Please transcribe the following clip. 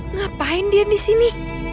ngapain dia disini